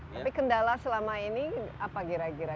tapi kendala selama ini apa kira kira